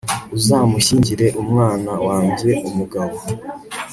uzamushyingire umwana wange umugabo